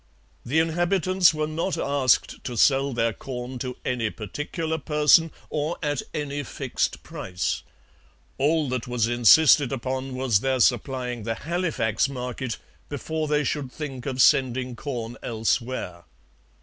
The inhabitants were not asked to sell their corn to any particular person or at any fixed price; all that was insisted upon was their supplying the Halifax market before they should think of sending corn elsewhere.